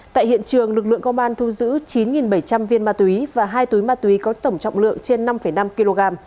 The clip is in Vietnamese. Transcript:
tại hiện trường lực lượng công an thu giữ chín bảy trăm linh viên ma túy và hai túi ma túy có tổng trọng lượng trên năm năm kg